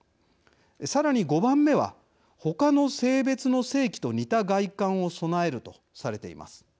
さらに、５番目は他の性別の性器と似た外観を備えるとされています。